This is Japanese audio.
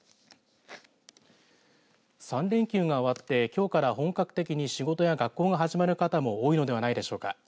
３連休が終わって、きょうから本格的に仕事や学校が始まる方も多いのではないでしょうか。